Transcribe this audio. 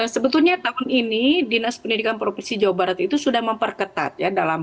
sebetulnya tahun ini dinas pendidikan provinsi jawa barat itu sudah memperketat ya